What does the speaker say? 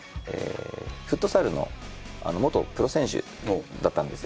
フットサルの元プロ選手だったんです。